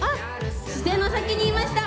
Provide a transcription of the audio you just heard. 視線の先にいました。